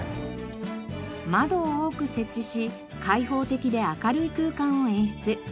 窓を多く設置し開放的で明るい空間を演出。